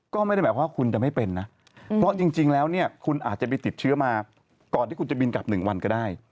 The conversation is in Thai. ก็ไม่ได้หมายความว่าคุณจะไม่เป็นนะเพราะจริงแล้วเนี่ยคุณอาจจะไปติดเชื้อมาก่อนที่คุณจะบินกลับ๑วันก็ได้